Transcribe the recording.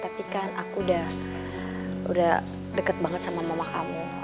tapi kan aku udah deket banget sama mama kamu